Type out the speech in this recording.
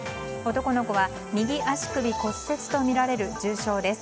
男の子は右足首骨折とみられる重症です。